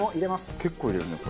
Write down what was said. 結構入れるねこれ。